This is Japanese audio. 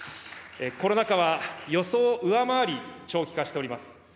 コロナ禍は予想を上回り、長期化しております。